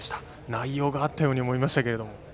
内容があったように思いますが。